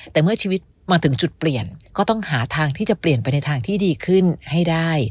แต่เมื่อชีวิตมาถึงจุดเปลี่ยนก็ต้องหาทางที่จะเปลี่ยนไปในทางที่ดีขึ้นให้ได้